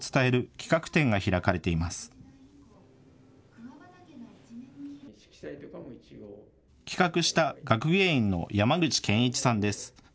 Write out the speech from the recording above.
企画した学芸員の山口研一さんです。